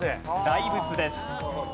大仏です。